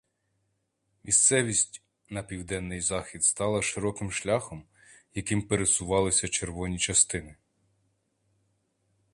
Місцевість на південний захід стала широким шляхом, яким пересувалися червоні частини.